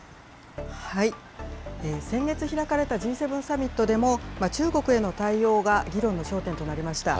先月開かれたＧ７サミットでも、中国への対応が議論の焦点となりました。